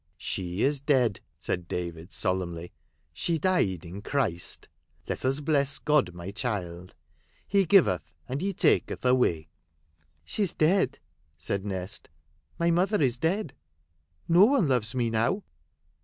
" She is dead," said David, solemnly, " she died in Christ. Let us bless God, my child. He giveth and He taketh away !"" She is dead," said Nest, " my mother is dead. No one loves me now."